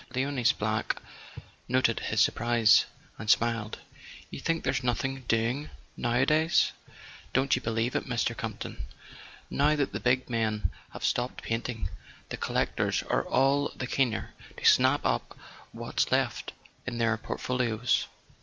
Leonce Black noted his surprise and smiled. "You think there's nothing doing nowadays ? Don't you be¬ lieve it, Mr. Campton. Now that the big men have stopped painting, the collectors are all the keener to snap up what's left in their portfolios."